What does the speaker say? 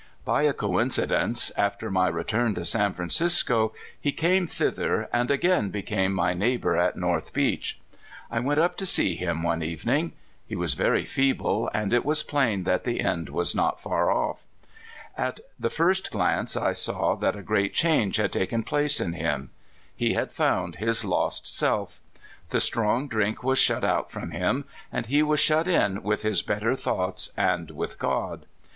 By a coincidence, after my return to San Fran cisco, he came thither, and again became my neigh bor at North Beach. I went up to see him one evening. He was very feeble, and it was plain that the end was not far off. At the first glance I saw that a great change had taken place in him. THE REBLOOMING. 69 He had found his lost self. The strong drink was shut out from him, and he was shut in with his better thoughts and with God.